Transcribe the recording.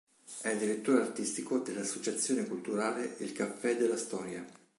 È direttore artistico dell'associazione culturale Il Caffè Della Storia.